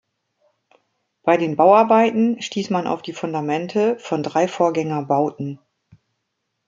Bei den Bauarbeiten stieß man auf die Fundamente von drei Vorgängerbauten.